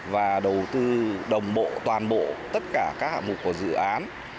và đầu tư đồng bộ toàn bộ tất cả các hạng mục của dự án